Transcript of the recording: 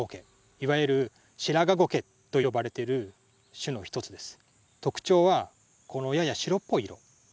いわゆるシラガゴケと呼ばれている種の一つです。